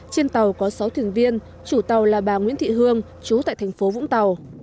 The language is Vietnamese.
trên tàu có sáu thuyền viên chủ tàu là bà nguyễn thị hương chú tại thành phố vũng tàu